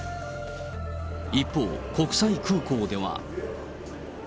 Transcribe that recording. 一方、国際空港では。